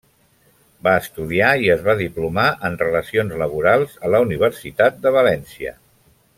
Va estudiar i es va diplomar en Relacions Laborals a la Universitat de València.